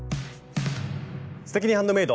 「すてきにハンドメイド」。